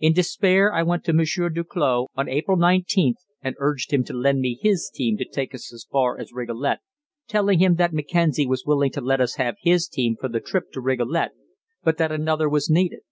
In despair I went to Monsieur Duclos on April 19th and urged him to lend me his team to take us as far as Rigolet, telling him that Mackenzie was willing to let us have his team for the trip to Rigolet, but that another was needed.